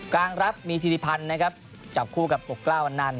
กลางรับมีธิริพันธ์นะครับจับคู่กับปกกล้าอันนันต